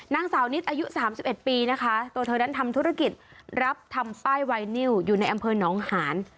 นางสาวนิดอายุ๓๑ปีนะคะตัวเธอนั้นทำธุรกิจรับทำป้ายไวนิวอยู่ในอำเภอหนองหาน